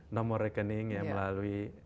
nomor rekening yang melalui